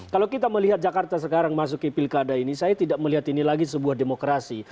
kalau kita melihat jakarta sekarang masuk ke pilkada ini saya tidak melihat ini lagi sebuah demokrasi